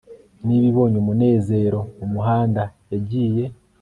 niba ibonye umunezero mumuhanda yagiye